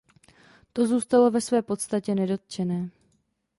To zůstalo ve své podstatě nedotčené.